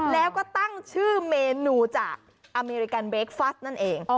แล้วก็ตั้งชื่อเมนูจากอเมริกันเบคฟัสนั่นเอง